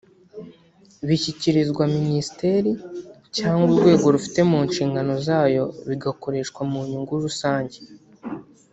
bishyikirizwa Minisiteri cyangwa urwego rufite mu nshingano zayo bigakoreshwa mu nyungu rusange